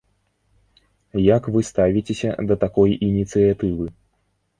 Як вы ставіцеся да такой ініцыятывы?